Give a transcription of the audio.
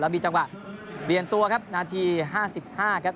มีจังหวะเปลี่ยนตัวครับนาที๕๕ครับ